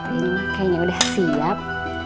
ini mah kayaknya udah siap